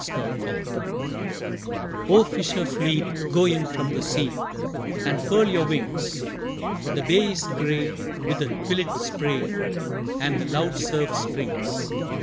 A SEA GHOST Oh, fisher fleet, go in from the sea And furl your wings. The bay is gray with the twilit spray And the loud surf springs.